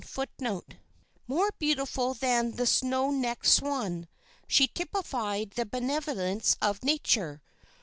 "More beautiful than the snow necked swan," she typified the beneficence of nature.